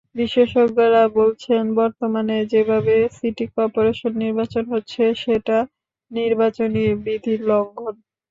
বিশেষজ্ঞরা বলছেন, বর্তমানে যেভাবে সিটি করপোরেশন নির্বাচন হচ্ছে, সেটা নির্বাচনী বিধির লঙ্ঘন।